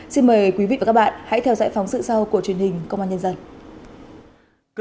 xin mời quý vị và các bạn hãy theo dõi phóng sự sau của truyền hình công an nhân dân